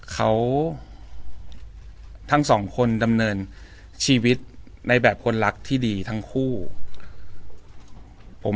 เขาทั้งสองคนดำเนินชีวิตในแบบคนรักที่ดีทั้งคู่ผม